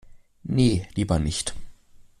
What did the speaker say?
Nee, lieber nicht.